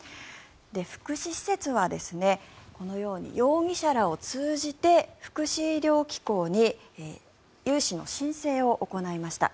福祉施設はこのように容疑者らを通じて福祉医療機構に融資の申請を行いました。